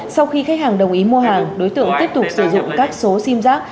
sau khi khách hàng đồng ý mua hàng đối tượng tiếp tục sử dụng các số sim giác